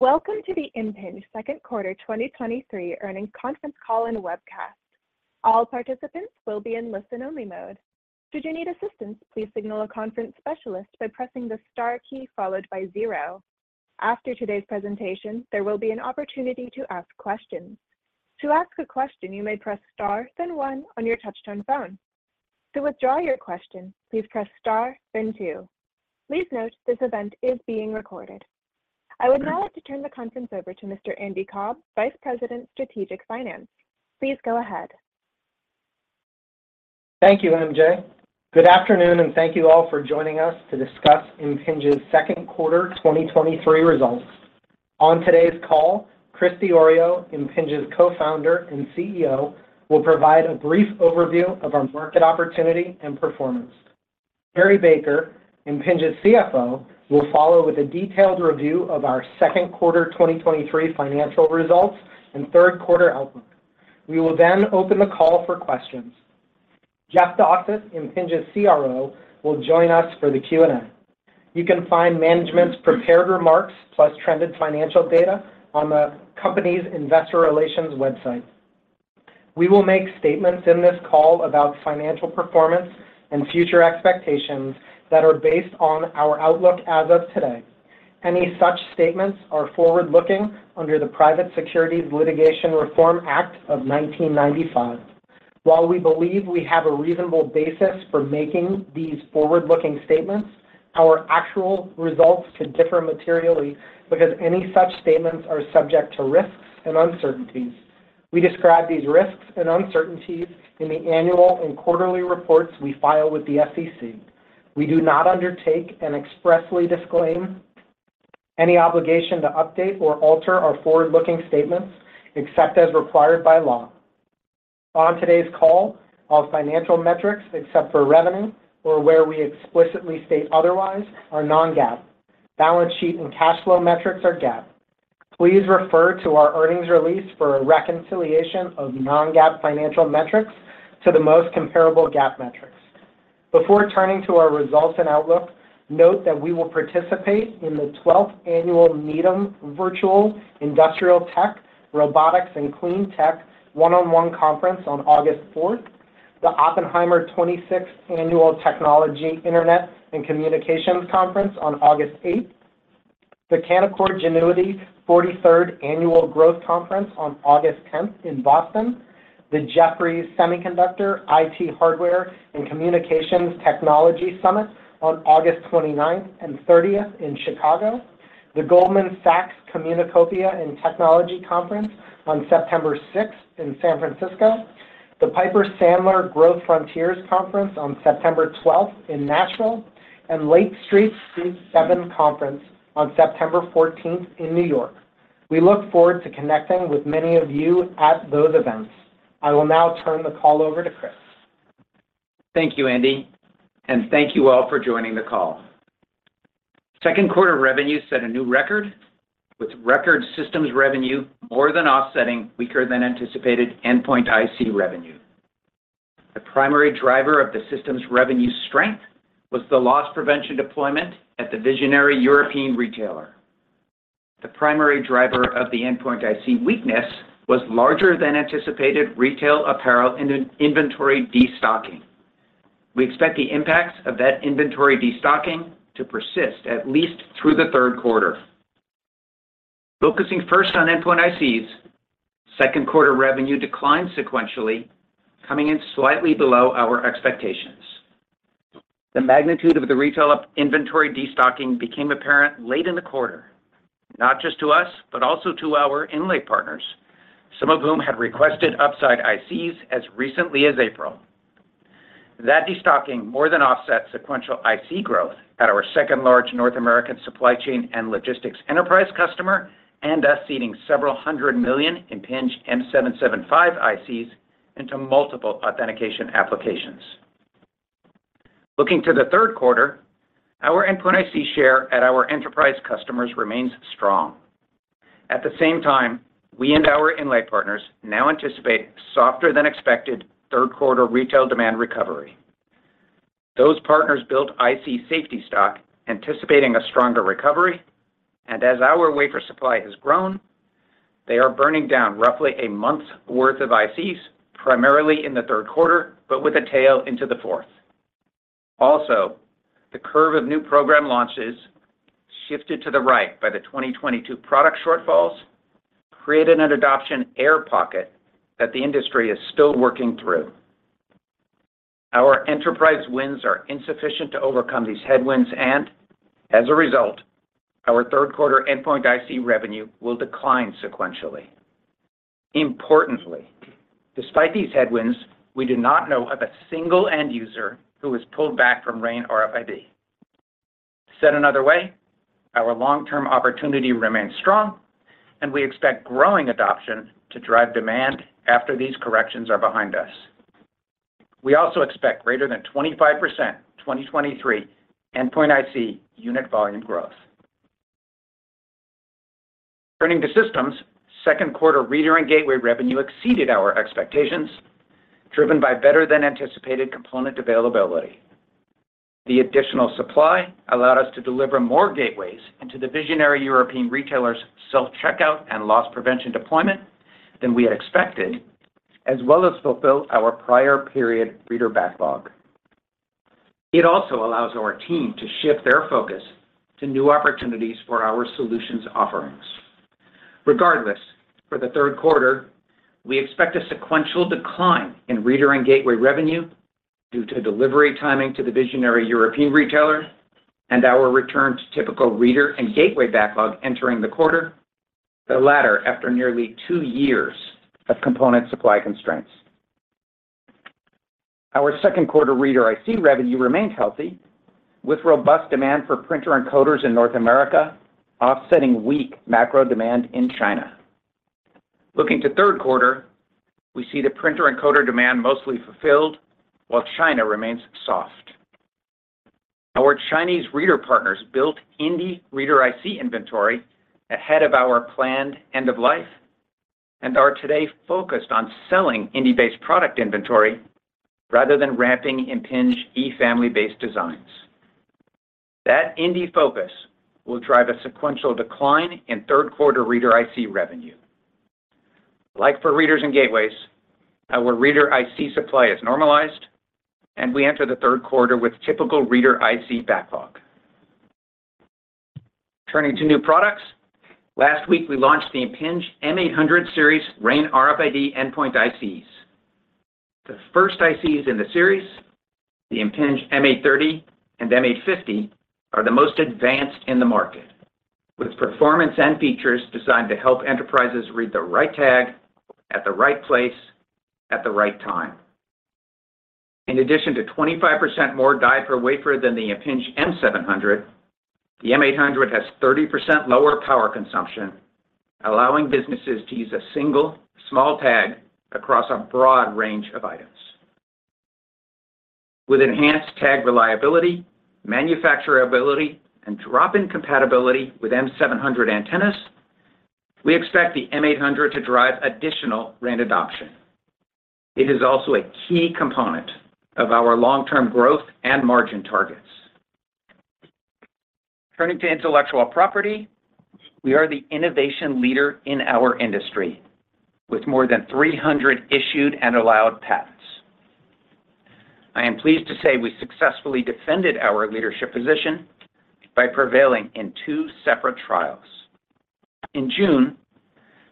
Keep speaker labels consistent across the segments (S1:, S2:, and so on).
S1: Welcome to the Impinj Second Quarter 2023 Earnings Conference Call and Webcast. All participants will be in listen-only mode. Should you need assistance, please signal a conference specialist by pressing the star key followed by zero. After today's presentation, there will be an opportunity to ask questions. To ask a question, you may press star, then one on your touchtone phone. To withdraw your question, please press star, then two. Please note, this event is being recorded. I would now like to turn the conference over to Mr. Andy Cobb, Vice President, Strategic Finance. Please go ahead.
S2: Thank you, MJ. Good afternoon, thank you all for joining us to discuss Impinj's second quarter 2023 results. On today's call, Chris Diorio, Impinj's Co-founder and CEO, will provide a brief overview of our market opportunity and performance. Cary Baker, Impinj's CFO, will follow with a detailed review of our second quarter 2023 financial results and third quarter outlook. We will open the call for questions. Jeff Dossett, Impinj's CRO, will join us for the Q&A. You can find management's prepared remarks, plus trended financial data on the company's investor relations website. We will make statements in this call about financial performance and future expectations that are based on our outlook as of today. Any such statements are forward-looking under the Private Securities Litigation Reform Act of 1995. While we believe we have a reasonable basis for making these forward-looking statements, our actual results could differ materially because any such statements are subject to risks and uncertainties. We describe these risks and uncertainties in the annual and quarterly reports we file with the SEC. We do not undertake and expressly disclaim any obligation to update or alter our forward-looking statements, except as required by law. On today's call, all financial metrics, except for revenue or where we explicitly state otherwise, are non-GAAP. Balance sheet and cash flow metrics are GAAP. Please refer to our earnings release for a reconciliation of non-GAAP financial metrics to the most comparable GAAP metrics. Before turning to our results and outlook, note that we will participate in the 12th Annual Needham Virtual Industrial, Tech, Robotics and Clean Tech One-on-One Conference on August 4th, the Oppenheimer 26th Annual Technology, Internet, and Communications Conference on August 8th, the Canaccord Genuity 43rd Annual Growth Conference on August 10th in Boston, the Jefferies Semiconductor, IT, Hardware and Communications Technology Summit on August 29th and 30th in Chicago, the Goldman Sachs Communacopia and Technology Conference on September 6th in San Francisco, the Piper Sandler Growth Frontiers Conference on September 12th in Nashville, and Lake Street's BIG7 Conference on September 14th in New York. We look forward to connecting with many of you at those events. I will now turn the call over to Chris.
S3: Thank you, Andy, and thank you all for joining the call. Second quarter revenue set a new record, with record systems revenue more than offsetting weaker than anticipated endpoint IC revenue. The primary driver of the systems revenue strength was the loss prevention deployment at the visionary European retailer. The primary driver of the endpoint IC weakness was larger than anticipated retail apparel in an inventory destocking. We expect the impacts of that inventory destocking to persist at least through the third quarter. Focusing first on endpoint ICs, second quarter revenue declined sequentially, coming in slightly below our expectations. The magnitude of the retail inventory destocking became apparent late in the quarter, not just to us, but also to our inlay partners, some of whom had requested upside ICs as recently as April. That destocking more than offset sequential IC growth at our second large North American supply chain and logistics enterprise customer, and us seeding several hundred million Impinj M775 ICs into multiple authentication applications. Looking to the third quarter, our endpoint IC share at our enterprise customers remains strong. At the same time, we and our inlay partners now anticipate softer than expected third quarter retail demand recovery. Those partners built IC safety stock, anticipating a stronger recovery, and as our wafer supply has grown, they are burning down roughly one month's worth of ICs, primarily in the third quarter, but with a tail into the fourth. The curve of new program launches shifted to the right by the 2022 product shortfalls, creating an adoption air pocket that the industry is still working through. Our enterprise wins are insufficient to overcome these headwinds, and as a result, our third quarter endpoint IC revenue will decline sequentially. Importantly, despite these headwinds, we do not know of a single end user who has pulled back from RAIN RFID. Said another way, our long-term opportunity remains strong, and we expect growing adoption to drive demand after these corrections are behind us. We also expect greater than 25%, 2023 endpoint IC unit volume growth. Turning to systems, second quarter reader and gateway revenue exceeded our expectations, driven by better than anticipated component availability. The additional supply allowed us to deliver more gateways into the visionary European retailers' self-checkout and loss prevention deployment than we had expected, as well as fulfill our prior period reader backlog. It also allows our team to shift their focus to new opportunities for our solutions offerings. Regardless, for the third quarter, we expect a sequential decline in reader and gateway revenue due to delivery timing to the visionary European retailer and our return to typical reader and gateway backlog entering the quarter, the latter, after nearly two years of component supply constraints. Our second quarter reader IC revenue remains healthy, with robust demand for printer encoders in North America, offsetting weak macro demand in China. Looking to third quarter, we see the printer encoder demand mostly fulfilled, while China remains soft. Our Chinese reader partners built Indy reader IC inventory ahead of our planned end of life and are today focused on selling Indy-based product inventory rather than ramping Impinj E Family-based designs. That Indy focus will drive a sequential decline in third quarter reader IC revenue. Like for readers and gateways, our reader IC supply is normalized, and we enter the third quarter with typical reader IC backlog. Turning to new products, last week, we launched the Impinj M800 series RAIN RFID endpoint ICs. The first ICs in the series, the Impinj M830 and M850, are the most advanced in the market, with performance and features designed to help enterprises read the right tag at the right place, at the right time. In addition to 25% more die per wafer than the Impinj M700, the M800 has 30% lower power consumption, allowing businesses to use a single small tag across a broad range of items. With enhanced tag reliability, manufacturability, and drop-in compatibility with M700 antennas, we expect the M800 to drive additional RAIN adoption. It is also a key component of our long-term growth and margin targets. Turning to intellectual property, we are the innovation leader in our industry, with more than 300 issued and allowed patents. I am pleased to say we successfully defended our leadership position by prevailing in two separate trials. In June,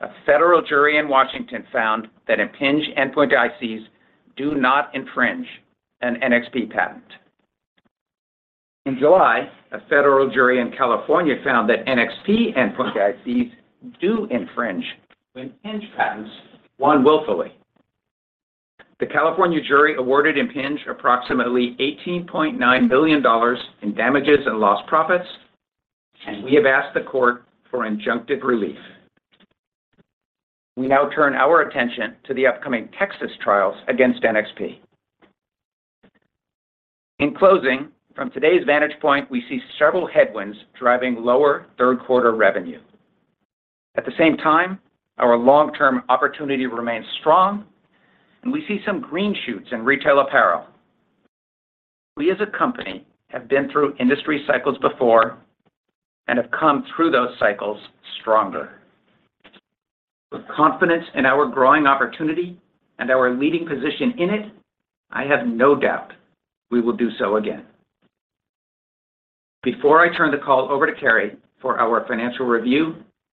S3: a federal jury in Washington found that Impinj endpoint ICs do not infringe an NXP patent. In July, a federal jury in California found that NXP endpoint ICs do infringe when Impinj patents won willfully. The California jury awarded Impinj approximately $18.9 billion in damages and lost profits, and we have asked the court for injunctive relief. We now turn our attention to the upcoming Texas trials against NXP. In closing, from today's vantage point, we see several headwinds driving lower third-quarter revenue. At the same time, our long-term opportunity remains strong, and we see some green shoots in retail apparel. We, as a company, have been through industry cycles before and have come through those cycles stronger. With confidence in our growing opportunity and our leading position in it, I have no doubt we will do so again. Before I turn the call over to Cary for our financial review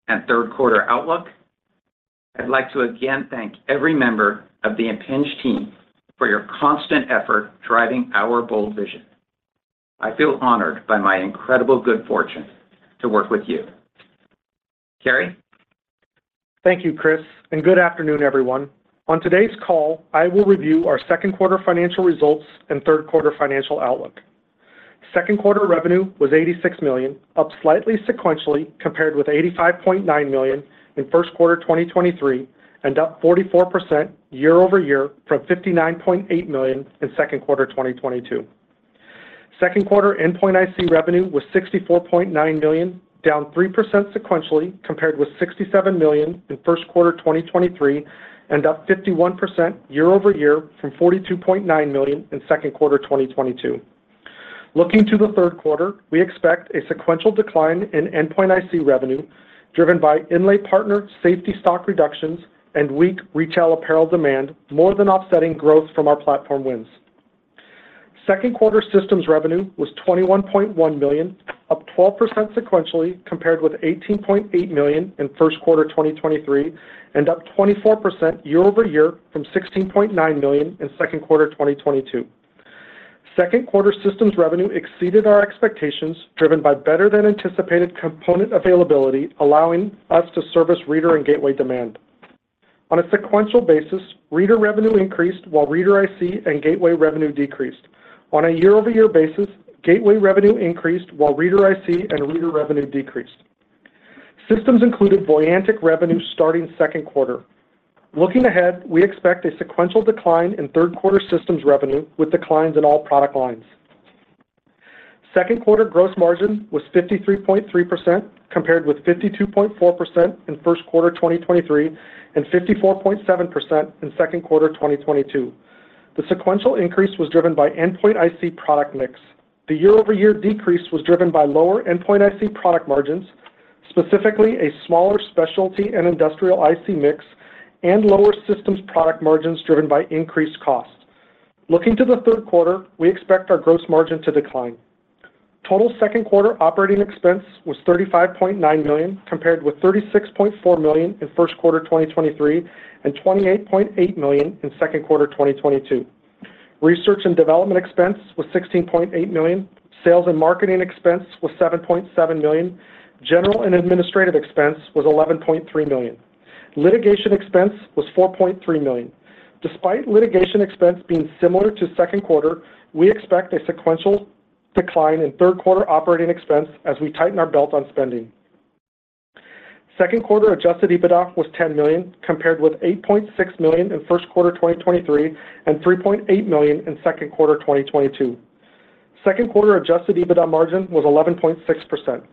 S3: and third quarter outlook, I'd like to again thank every member of the Impinj team for your constant effort driving our bold vision. I feel honored by my incredible good fortune to work with you. Cary?
S4: Thank you, Chris, and good afternoon, everyone. On today's call, I will review our second quarter financial results and third quarter financial outlook. Second quarter revenue was $86 million, up slightly sequentially compared with $85.9 million in first quarter 2023, and up 44% year-over-year from $59.8 million in second quarter 2022. Second quarter endpoint IC revenue was $64.9 million, down 3% sequentially compared with $67 million in first quarter 2023, and up 51% year-over-year from $42.9 million in second quarter 2022. Looking to the third quarter, we expect a sequential decline in endpoint IC revenue, driven by inlay partner safety stock reductions and weak retail apparel demand, more than offsetting growth from our platform wins. Second quarter systems revenue was $21.1 million, up 12% sequentially compared with $18.8 million in first quarter 2023, and up 24% year-over-year from $16.9 million in second quarter 2022. Second quarter systems revenue exceeded our expectations, driven by better-than-anticipated component availability, allowing us to service reader and gateway demand. On a sequential basis, reader revenue increased while reader IC and gateway revenue decreased. On a year-over-year basis, gateway revenue increased while reader IC and reader revenue decreased. Systems included Voyantic revenue starting second quarter. Looking ahead, we expect a sequential decline in third quarter systems revenue, with declines in all product lines. Second quarter gross margin was 53.3%, compared with 52.4% in first quarter 2023, and 54.7% in second quarter 2022. The sequential increase was driven by endpoint IC product mix. The year-over-year decrease was driven by lower endpoint IC product margins, specifically a smaller specialty and industrial IC mix, and lower systems product margins driven by increased costs. Looking to the third quarter, we expect our gross margin to decline. Total second quarter operating expense was $35.9 million, compared with $36.4 million in first quarter 2023, and $28.8 million in second quarter 2022. Research and development expense was $16.8 million. Sales and marketing expense was $7.7 million. General and administrative expense was $11.3 million. Litigation expense was $4.3 million. Despite litigation expense being similar to second quarter, we expect a sequential decline in third quarter operating expense as we tighten our belt on spending. Second quarter adjusted EBITDA was $10 million, compared with $8.6 million in first quarter 2023, and $3.8 million in second quarter 2022. Second quarter adjusted EBITDA margin was 11.6%.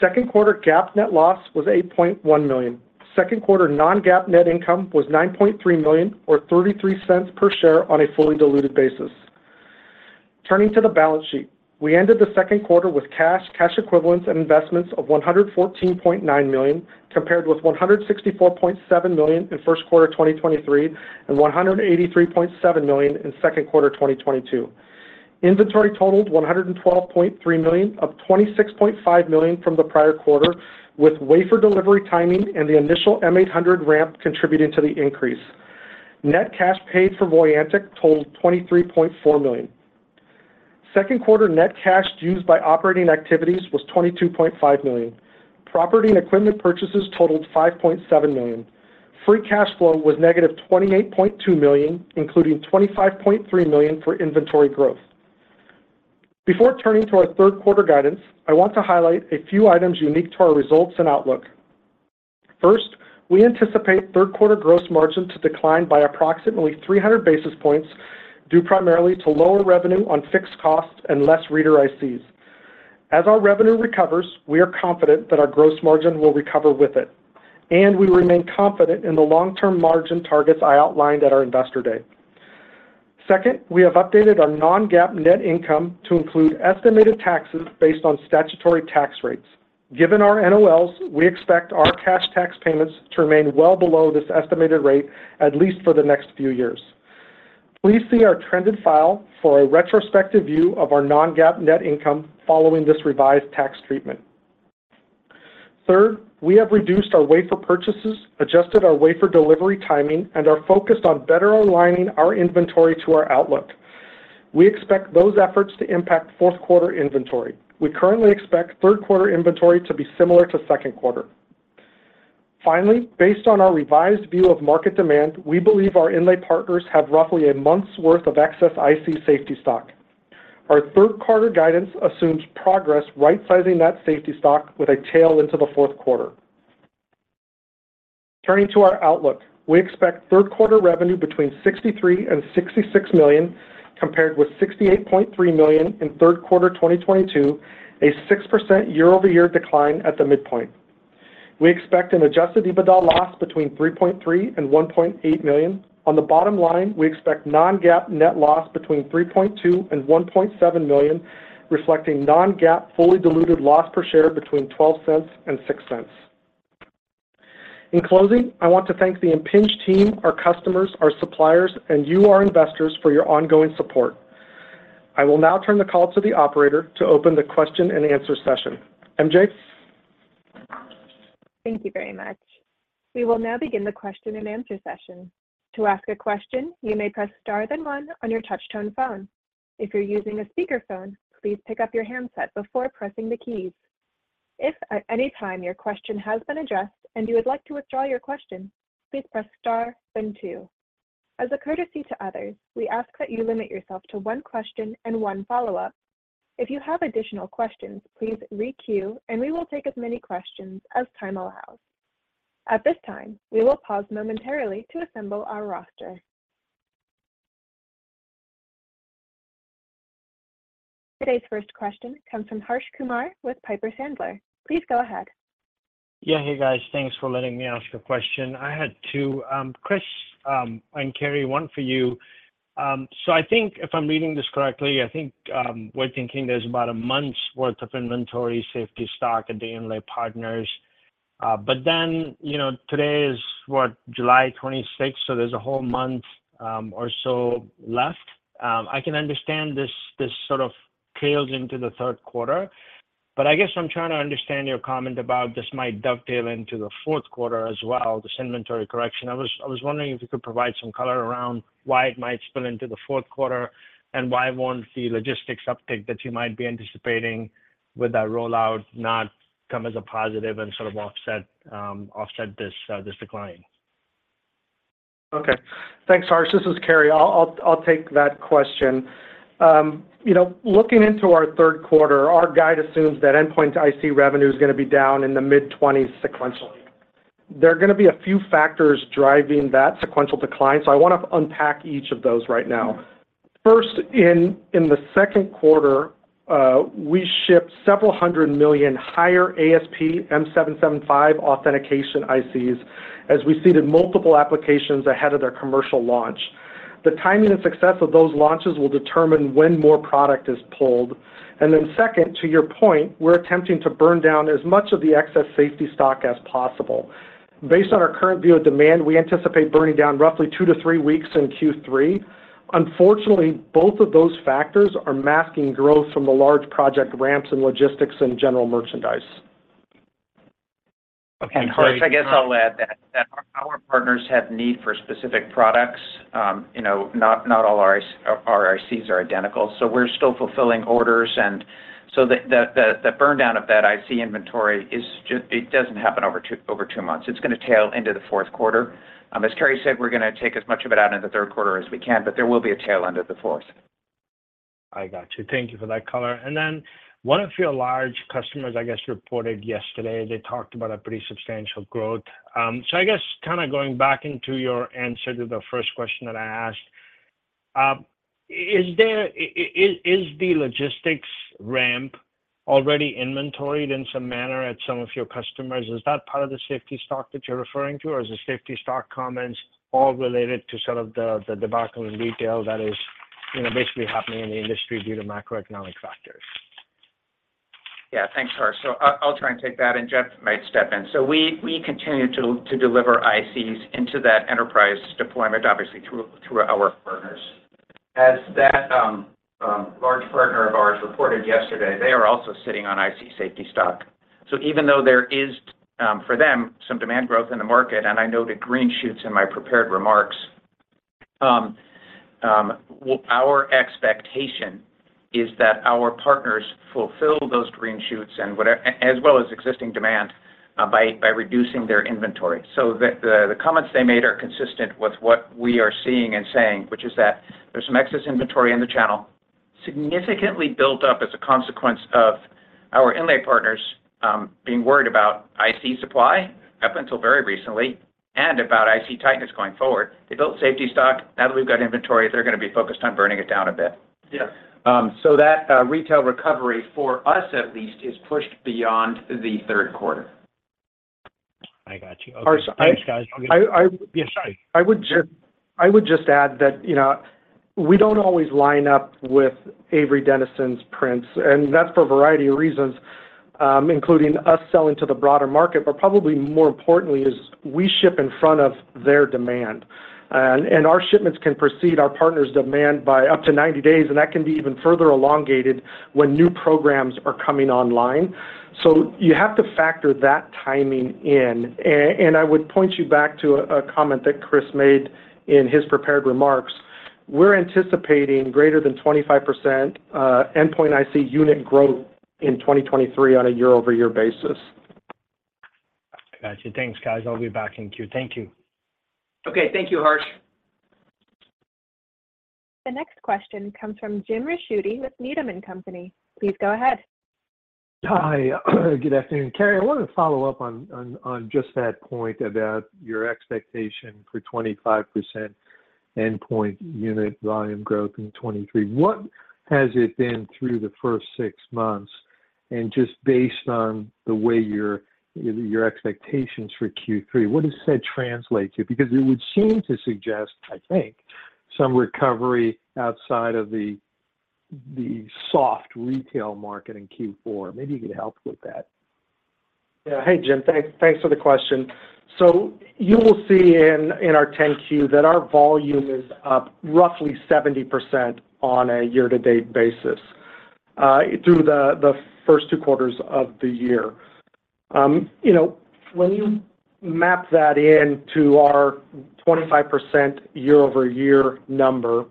S4: Second quarter GAAP net loss was $8.1 million. Second quarter non-GAAP net income was $9.3 million, or $0.33 per share on a fully diluted basis. Turning to the balance sheet, we ended the second quarter with cash equivalents, and investments of $114.9 million, compared with $164.7 million in first quarter 2023, and $183.7 million in second quarter 2022. Inventory totaled $112.3 million, up $26.5 million from the prior quarter, with wafer delivery timing and the initial M800 ramp contributing to the increase. Net cash paid for Voyantic totaled $23.4 million. Second quarter net cash used by operating activities was $22.5 million. Property and equipment purchases totaled $5.7 million. Free cash flow was negative $28.2 million, including $25.3 million for inventory growth. Before turning to our third quarter guidance, I want to highlight a few items unique to our results and outlook. First, we anticipate third quarter gross margin to decline by approximately 300 basis points, due primarily to lower revenue on fixed costs and less reader ICs. As our revenue recovers, we are confident that our gross margin will recover with it, and we remain confident in the long-term margin targets I outlined at our Investor Day. Second, we have updated our non-GAAP net income to include estimated taxes based on statutory tax rates. Given our NOLs, we expect our cash tax payments to remain well below this estimated rate, at least for the next few years. Please see our trended file for a retrospective view of our non-GAAP net income following this revised tax treatment. We have reduced our wafer purchases, adjusted our wafer delivery timing, and are focused on better aligning our inventory to our outlook. We expect those efforts to impact fourth quarter inventory. We currently expect third quarter inventory to be similar to second quarter. Based on our revised view of market demand, we believe our inlay partners have roughly a month's worth of excess IC safety stock. Our third quarter guidance assumes progress right-sizing that safety stock with a tail into the fourth quarter. Turning to our outlook, we expect third quarter revenue between $63 million and $66 million, compared with $68.3 million in third quarter 2022, a 6% year-over-year decline at the midpoint. We expect an adjusted EBITDA loss between $3.3 million and $1.8 million. On the bottom line, we expect non-GAAP net loss between $3.2 million and $1.7 million, reflecting non-GAAP fully diluted loss per share between $0.12 and $0.06. In closing, I want to thank the Impinj team, our customers, our suppliers, and you, our investors, for your ongoing support. I will now turn the call to the operator to open the question and answer session. MJ?
S1: Thank you very much. We will now begin the question and answer session. To ask a question, you may press star then one on your touchtone phone. If you're using a speakerphone, please pick up your handset before pressing the keys. If at any time your question has been addressed and you would like to withdraw your question, please press star then two. As a courtesy to others, we ask that you limit yourself to one question and one follow-up. If you have additional questions, please re-queue, and we will take as many questions as time allows. At this time, we will pause momentarily to assemble our roster. Today's first question comes from Harsh Kumar with Piper Sandler. Please go ahead.
S5: Yeah. Hey, guys. Thanks for letting me ask a question. I had two. Chris, and Cary, one for you. I think if I'm reading this correctly, I think we're thinking there's about a month's worth of inventory safety stock at the inlay partners. You know, today is what? July 26, so there's a whole month, or so left. I can understand this sort of trails into the third quarter, but I guess I'm trying to understand your comment about this might dovetail into the fourth quarter as well, this inventory correction. I was wondering if you could provide some color around why it might spill into the fourth quarter, and why won't the logistics uptick that you might be anticipating with that rollout not come as a positive and sort of offset this decline?
S4: Okay. Thanks, Harsh. This is Cary. I'll take that question. you know, looking into our third quarter, our guide assumes that endpoint IC revenue is gonna be down in the mid-20s sequentially. There are going to be a few factors driving that sequential decline, so I want to unpack each of those right now. First, in the second quarter, we shipped several hundred million higher ASP Impinj M775 authentication ICs as we seeded multiple applications ahead of their commercial launch. The timing and success of those launches will determine when more product is pulled, and then second, to your point, we're attempting to burn down as much of the excess safety stock as possible. Based on our current view of demand, we anticipate burning down roughly two-three weeks in Q3. Unfortunately, both of those factors are masking growth from the large project ramps and logistics and general merchandise.
S3: Harsh, I guess I'll add that our partners have need for specific products. You know, not all our ICs are identical, so we're still fulfilling orders. The burn down of that IC inventory is just, it doesn't happen over two months. It's going to tail into the fourth quarter. As Cary said, we're going to take as much of it out in the third quarter as we can, but there will be a tail end of the fourth.
S5: I got you. Thank you for that color. One of your large customers, I guess, reported yesterday, they talked about a pretty substantial growth. I guess kind of going back into your answer to the first question that I asked, is the logistics ramp already inventoried in some manner at some of your customers? Is that part of the safety stock that you're referring to, or is the safety stock comments all related to some of the debacle in retail that is, you know, basically happening in the industry due to macroeconomic factors?
S3: Thanks, Harsh. I'll try and take that, and Jeff might step in. We continue to deliver ICs into that enterprise deployment, obviously through our partners. As that large partner of ours reported yesterday, they are also sitting on IC safety stock. Even though there is, for them, some demand growth in the market, and I know the green shoots in my prepared remarks, well, our expectation is that our partners fulfill those green shoots as well as existing demand by reducing their inventory. The comments they made are consistent with what we are seeing and saying, which is that there's some excess inventory in the channel, significantly built up as a consequence of our inlay partners, being worried about IC supply up until very recently, and about IC tightness going forward. They built safety stock. Now that we've got inventory, they're going to be focused on burning it down a bit.
S4: Yeah.
S3: That retail recovery, for us at least, is pushed beyond the third quarter.
S5: I got you. Okay.
S4: Harsh,
S5: Thanks, guys.
S4: I, I-
S5: Yeah, sorry.
S4: I would just-
S3: Sure.
S4: I would just add that, you know, we don't always line up with Avery Dennison's prints, and that's for a variety of reasons, including us selling to the broader market, but probably more importantly is, we ship in front of their demand. Our shipments can precede our partners' demand by up to 90 days, and that can be even further elongated when new programs are coming online, so you have to factor that timing in. I would point you back to a comment that Chris made in his prepared remarks. We're anticipating greater than 25% endpoint IC unit growth in 2023 on a year-over-year basis.
S5: Got you. Thanks, guys. I'll be back in queue. Thank you.
S3: Okay. Thank you, Harsh.
S1: The next question comes from Jim Ricchiuti with Needham & Company. Please go ahead.
S6: Hi. Good afternoon. Cary, I wanted to follow up on just that point about your expectation for 25% endpoint unit volume growth in 2023. What has it been through the first six months? Just based on the way your expectations for Q3, what does said translate to? It would seem to suggest, I think, some recovery outside of the soft retail market in Q4. Maybe you could help with that.
S4: Hey, Jim, thanks for the question. You will see in our 10-Q that our volume is up roughly 70% on a year-to-date basis, through the first two quarters of the year. You know, when you map that in to our 25% year-over-year number,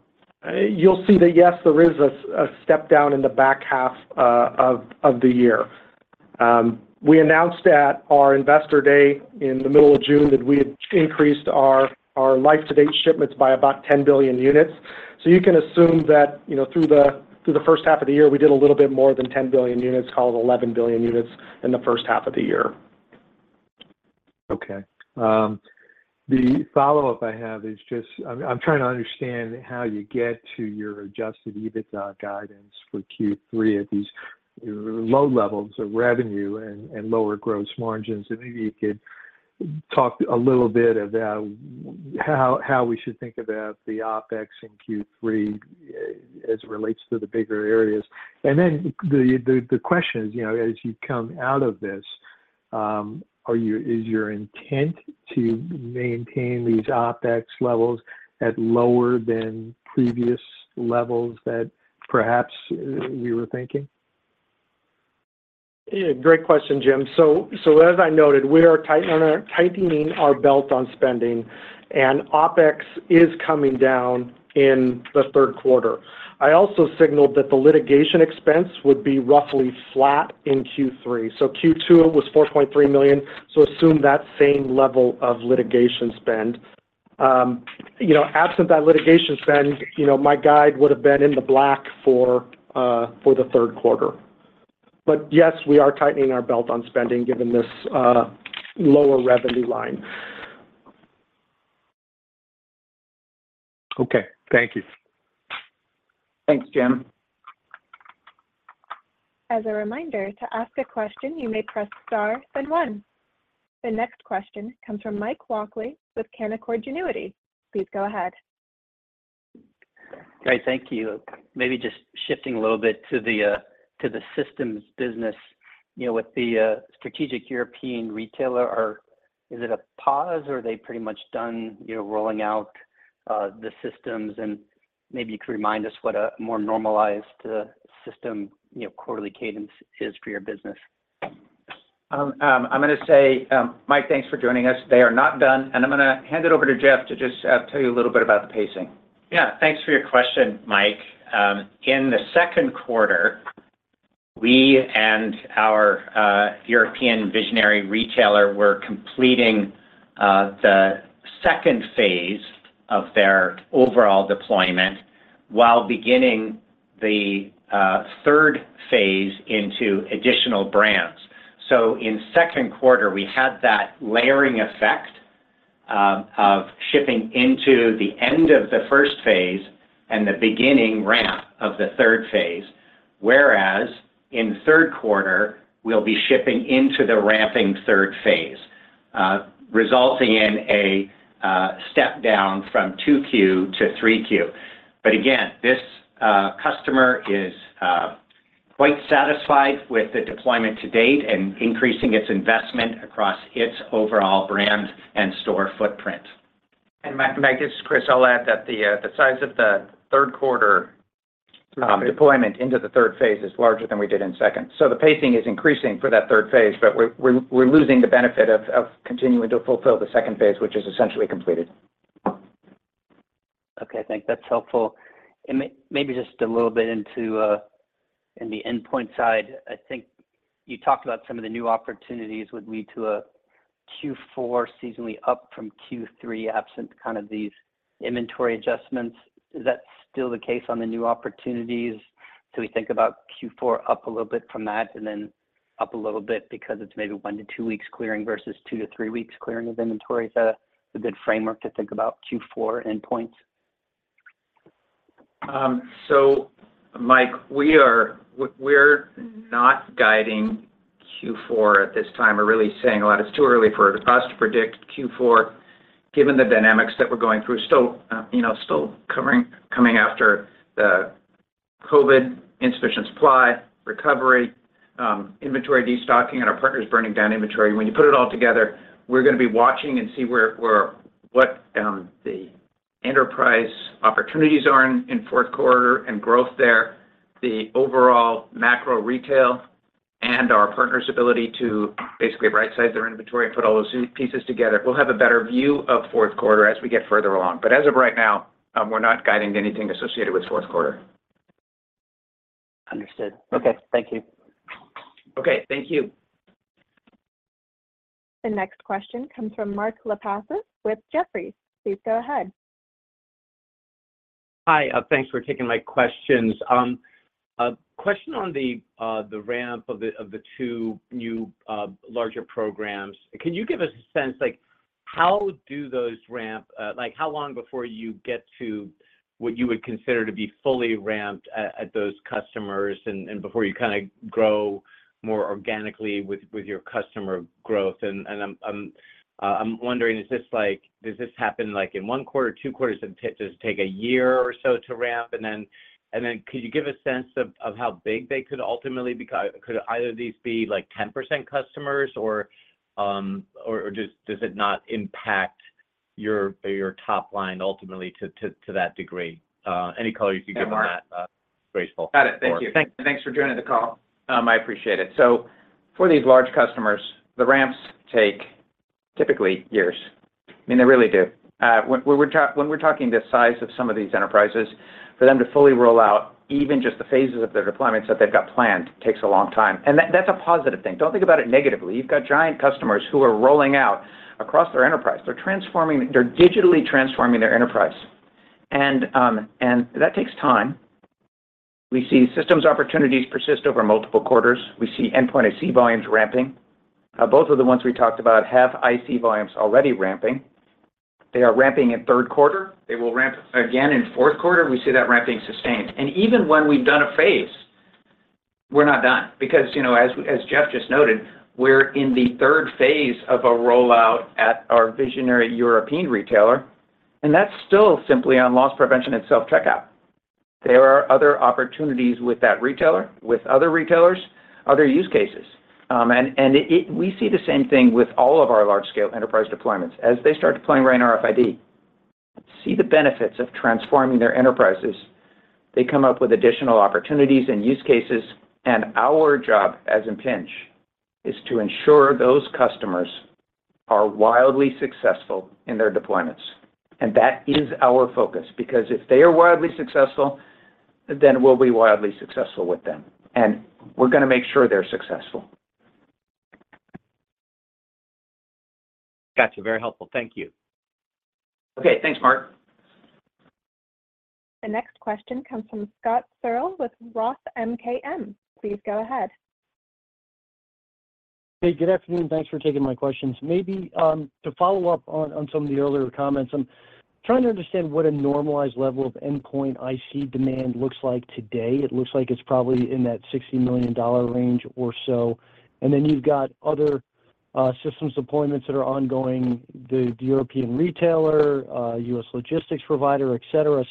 S4: you'll see that, yes, there is a step down in the back half of the year. We announced at our Investor Day in the middle of June that we had increased our life-to-date shipments by about 10 billion units. You can assume that, you know, through the first half of the year, we did a little bit more than 10 billion units, call it 11 billion units in the first half of the year.
S6: The follow-up I have is just, I'm trying to understand how you get to your adjusted EBITDA guidance for Q3 at these low levels of revenue and lower gross margins. Maybe you could talk a little bit about how we should think about the OpEx in Q3 as it relates to the bigger areas. Then the, the question is, you know, as you come out of this, is your intent to maintain these OpEx levels at lower than previous levels that perhaps you were thinking?
S4: Yeah, great question, Jim. As I noted, we are tightening our belt on spending, and OpEx is coming down in the third quarter. I also signaled that the litigation expense would be roughly flat in Q3. Q2, it was $4.3 million, so assume that same level of litigation spend. You know, absent that litigation spend, you know, my guide would have been in the black for the third quarter. Yes, we are tightening our belt on spending, given this lower revenue line.
S6: Okay, thank you.
S3: Thanks, Jim.
S1: As a reminder, to ask a question, you may press Star, then One. The next question comes from Mike Walkley with Canaccord Genuity. Please go ahead.
S7: Great, thank you. Maybe just shifting a little bit to the systems business. You know, with the strategic European retailer, is it a pause, or are they pretty much done, you know, rolling out the systems? Maybe you could remind us what a more normalized system, you know, quarterly cadence is for your business.
S3: I'm gonna say, Mike, thanks for joining us. They are not done. I'm gonna hand it over to Jeff to just tell you a little bit about the pacing.
S8: Thanks for your question, Mike. In the second quarter, we and our European visionary retailer were completing the 2nd phase of their overall deployment while beginning the 3rd phase into additional brands. In second quarter, we had that layering effect of shipping into the end of the 1st phase and the beginning ramp of the 3rd phase. Whereas in the third quarter, we'll be shipping into the ramping 3rd phase, resulting in a step down from 2Q to 3Q. Again, this customer is quite satisfied with the deployment to date and increasing its investment across its overall brand and store footprint.
S3: Mike, this is Chris. I'll add that the size of the third quarter deployment into the third phase is larger than we did in second. The pacing is increasing for that third phase, but we're losing the benefit of continuing to fulfill the second phase, which is essentially completed.
S7: Okay, I think that's helpful. Maybe just a little bit into in the endpoint side, I think you talked about some of the new opportunities would lead to a Q4 seasonally up from Q3, absent kind of these inventory adjustments. Is that still the case on the new opportunities? Do we think about Q4 up a little bit from that, and then up a little bit because it's maybe one to two weeks clearing versus two to three weeks clearing of inventory? Is that a good framework to think about Q4 endpoint?
S3: Mike, we're not guiding Q4 at this time. We're really saying, well, it's too early for us to predict Q4, given the dynamics that we're going through. Still, you know, still coming after the COVID insufficient supply, recovery, inventory destocking, and our partners burning down inventory. When you put it all together, we're gonna be watching and see where what the enterprise opportunities are in fourth quarter and growth there, the overall macro retail, and our partners' ability to basically rightsize their inventory and put all those pieces together. We'll have a better view of fourth quarter as we get further along, as of right now, we're not guiding to anything associated with fourth quarter.
S7: Understood. Okay, thank you.
S3: Okay, thank you.
S1: The next question comes from Mark Lipacis with Jefferies. Please go ahead.
S9: Hi, thanks for taking my questions. A question on the ramp of the two new larger programs. Can you give us a sense, like how do those ramp? Like, how long before you get to what you would consider to be fully ramped at those customers, and before you kind of grow more organically with your customer growth? I'm wondering, is this like? Does this happen, like, in one quarter, two quarters, and does it take a year or so to ramp? Then could you give a sense of how big they could ultimately become? Could either of these be, like, 10% customers, or does it not impact your top line ultimately to that degree? Any color you can give on that, Cary Baker.
S3: Got it. Thank you. Thanks for joining the call. I appreciate it. For these large customers, the ramps take typically years. I mean, they really do. When we're talking the size of some of these enterprises, for them to fully roll out, even just the phases of their deployments that they've got planned, takes a long time. That's a positive thing. Don't think about it negatively. You've got giant customers who are rolling out across their enterprise. They're transforming, they're digitally transforming their enterprise, and that takes time. We see systems opportunities persist over multiple quarters. We see endpoint IC volumes ramping. Both of the ones we talked about have IC volumes already ramping. They are ramping in third quarter. They will ramp again in fourth quarter. We see that ramping sustained. Even when we've done a phase, we're not done, because, you know, as Jeff just noted, we're in the third phase of a rollout at our visionary European retailer, and that's still simply on loss prevention and self-checkout. There are other opportunities with that retailer, with other retailers, other use cases. We see the same thing with all of our large-scale enterprise deployments. As they start deploying RAIN RFID, see the benefits of transforming their enterprises, they come up with additional opportunities and use cases, and our job as Impinj is to ensure those customers are wildly successful in their deployments. That is our focus, because if they are wildly successful, then we'll be wildly successful with them. We're gonna make sure they're successful.
S9: Gotcha. Very helpful. Thank you.
S3: Okay, thanks, Mark.
S1: The next question comes from Scott Searle with Roth MKM. Please go ahead.
S10: Hey, good afternoon. Thanks for taking my questions. Maybe, to follow up on some of the earlier comments, I'm trying to understand what a normalized level of endpoint IC demand looks like today. It looks like it's probably in that $60 million range or so, and then you've got other systems deployments that are ongoing, the European retailer, U.S. logistics provider, et cetera.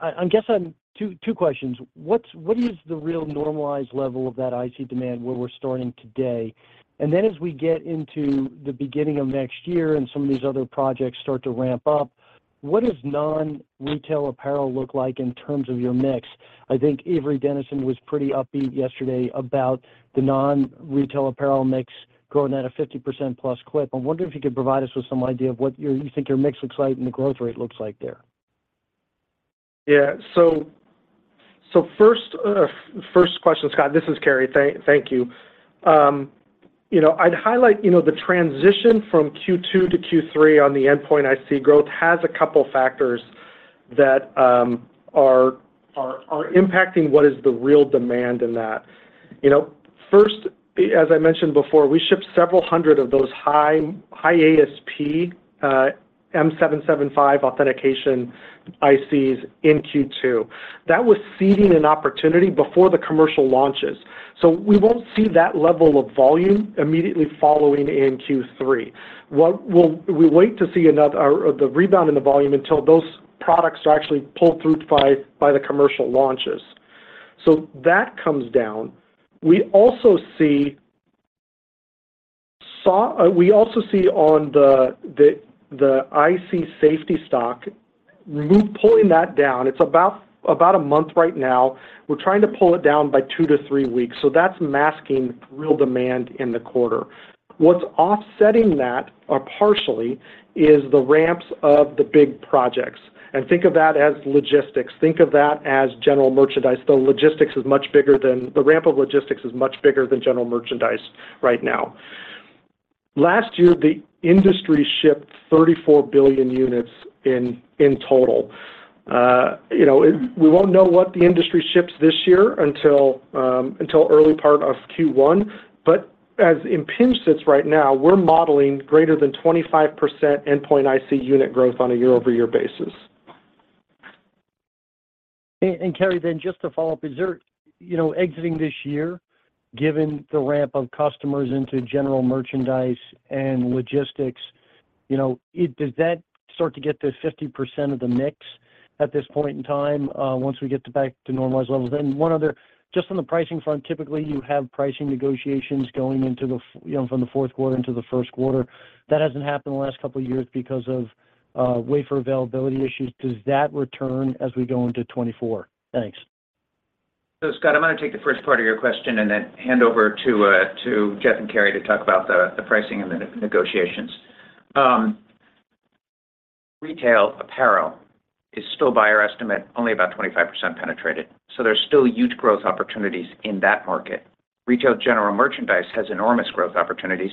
S10: I guess I'm two questions. What is the real normalized level of that IC demand where we're starting today? As we get into the beginning of next year, and some of these other projects start to ramp up, what does non-retail apparel look like in terms of your mix? I think Avery Dennison was pretty upbeat yesterday about the non-retail apparel mix growing at a 50%+ clip. I'm wondering if you could provide us with some idea of what you think your mix looks like and the growth rate looks like there?
S4: Yeah. First, first question, Scott, this is Cary. Thank you. You know, I'd highlight, you know, the transition from Q2 to Q3 on the endpoint IC growth has a couple factors that are impacting what is the real demand in that. You know, first, as I mentioned before, we shipped several hundred of those high ASP M775 authentication ICs in Q2. That was seeding an opportunity before the commercial launches, we won't see that level of volume immediately following in Q3. We wait to see another... or the rebound in the volume until those products are actually pulled through by the commercial launches. That comes down. We also see on the IC safety stock, we pulling that down. It's about a month right now. We're trying to pull it down by two to three weeks. That's masking real demand in the quarter. What's offsetting that, or partially, is the ramps of the big projects, and think of that as logistics. Think of that as general merchandise. The ramp of logistics is much bigger than general merchandise right now. Last year, the industry shipped 34 billion units in total. You know, we won't know what the industry ships this year until early part of Q1. As Impinj sits right now, we're modeling greater than 25% endpoint IC unit growth on a year-over-year basis.
S10: Cary, then just to follow up, is there, you know, exiting this year, given the ramp of customers into general merchandise and logistics, you know, does that start to get to 50% of the mix at this point in time, once we get to back to normalized levels? One other, just on the pricing front, typically, you have pricing negotiations going into the you know, from the fourth quarter into the first quarter. That hasn't happened in the last couple of years because of wafer availability issues. Does that return as we go into 2024? Thanks.
S3: Scott, I'm gonna take the first part of your question and then hand over to Jeff and Carey to talk about the pricing and the negotiations. Retail apparel is still, by our estimate, only about 25% penetrated. There's still huge growth opportunities in that market. Retail general merchandise has enormous growth opportunities.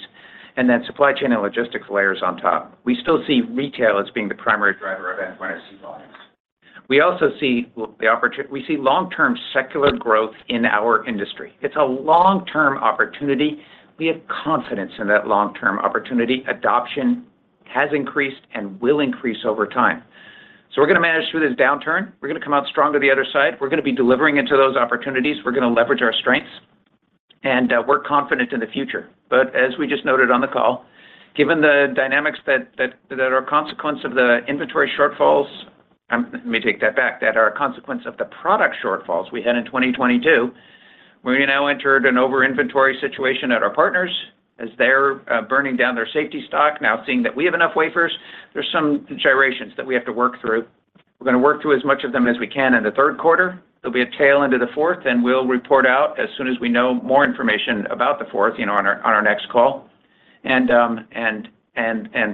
S3: Supply chain and logistics layers on top. We still see retail as being the primary driver of endpoint IC volumes. We also see long-term secular growth in our industry. It's a long-term opportunity. We have confidence in that long-term opportunity. Adoption has increased and will increase over time. We're gonna manage through this downturn. We're gonna come out stronger the other side. We're gonna be delivering into those opportunities. We're gonna leverage our strengths, and we're confident in the future. As we just noted on the call, given the dynamics that are a consequence of the inventory shortfalls, let me take that back, that are a consequence of the product shortfalls we had in 2022, we're now entered an over inventory situation at our partners, as they're burning down their safety stock, now seeing that we have enough wafers. There's some gyrations that we have to work through. We're gonna work through as much of them as we can in the third quarter. There'll be a tail into the fourth. We'll report out as soon as we know more information about the fourth, you know, on our next call and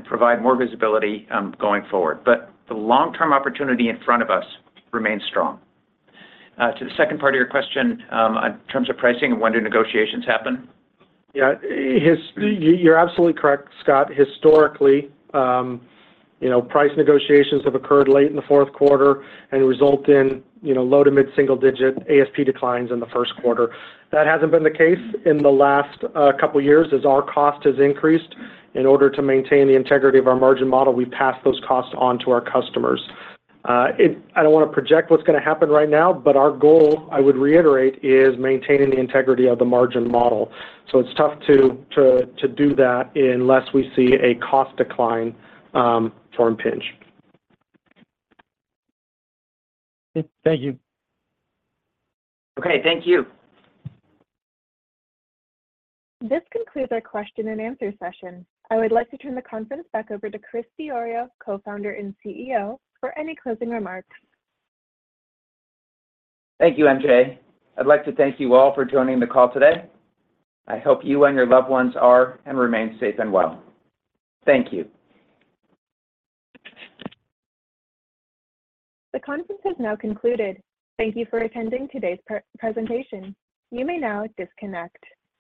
S3: provide more visibility going forward. The long-term opportunity in front of us remains strong. To the second part of your question, on terms of pricing and when do negotiations happen?
S4: You're absolutely correct, Scott. Historically, you know, price negotiations have occurred late in the fourth quarter and result in, you know, low to mid-single digit ASP declines in the first quarter. That hasn't been the case in the last couple years. As our cost has increased, in order to maintain the integrity of our margin model, we passed those costs on to our customers. I don't want to project what's gonna happen right now, but our goal, I would reiterate, is maintaining the integrity of the margin model. It's tough to do that unless we see a cost decline for Impinj.
S10: Thank you.
S3: Okay. Thank you.
S1: This concludes our question and answer session. I would like to turn the conference back over to Chris Diorio, Co-founder and CEO, for any closing remarks.
S3: Thank you, MJ. I'd like to thank you all for joining the call today. I hope you and your loved ones are and remain safe and well. Thank you.
S1: The conference has now concluded. Thank you for attending today's pre- presentation. You may now disconnect.